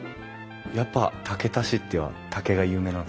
やっぱ竹田市って竹が有名なんですか？